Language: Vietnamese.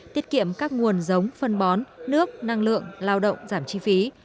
tiết kiệm các nguồn giống phân bón nước năng lượng lao động giảm chi phí